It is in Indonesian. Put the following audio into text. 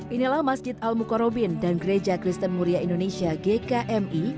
inilah masjid al mukarobin dan gereja kristen muria indonesia gkmi